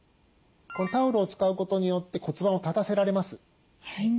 このタオルを使うことによって骨盤を立たせられます。